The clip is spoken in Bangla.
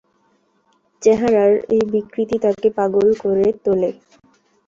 চেহারার এই বিকৃতি তাকে পাগল করে তোলে।